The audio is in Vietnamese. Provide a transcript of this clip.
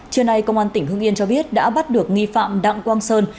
trưa nay công an tỉnh hưng yên cho biết đã bắt được nghi phạm đặng quang sơn